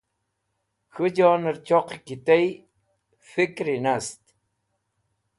K̃hũ jonẽr choqi ki tay fikri nast.